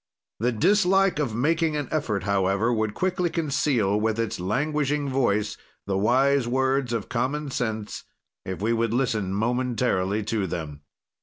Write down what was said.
"The dislike of making an effort, however, would quickly conceal, with its languishing voice, the wise words of common sense, if we would listen momentarily to them.